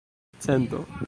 cento